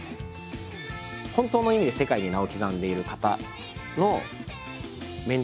本当の意味で世界に名を刻んでいる方のメンタリティー。